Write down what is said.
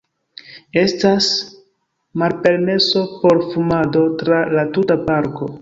Estas malpermeso por fumado tra la tuta parko.